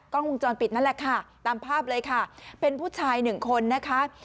กล้องวงจรปิดนั่นแหละค่ะตามภาพเลยค่ะเป็นผู้ชายหนึ่งคนนะคะ